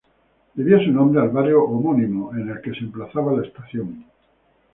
Debía su nombre al barrio homónimo, en el que se emplazaba la estación.